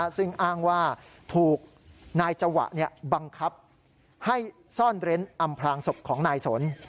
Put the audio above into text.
ซึ่งอ้างว่าถูกนายจวะบังคับให้ซ่อนเร้นอำพลางศพของนายสน